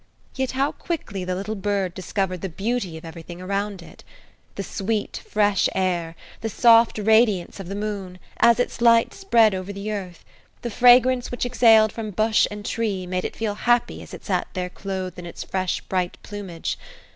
Yet how quickly the little bird discovered the beauty of everything around it. The sweet, fresh air; the soft radiance of the moon, as its light spread over the earth; the fragrance which exhaled from bush and tree, made it feel happy as it sat there clothed in its fresh, bright plumage.